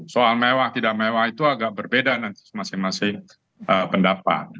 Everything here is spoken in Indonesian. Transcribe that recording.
soal mewah tidak mewah itu agak berbeda nanti masing masing pendapat